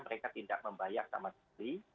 mereka tidak membayar sama sekali